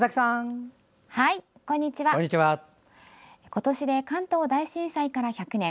今年で、関東大震災から１００年。